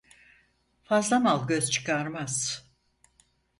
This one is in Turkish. Fazla mal göz çıkarmaz.